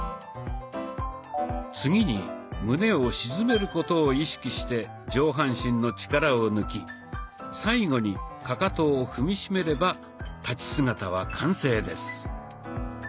次に胸を沈めることを意識して上半身の力を抜き最後にかかとを踏み締めれば立ち姿は完成です。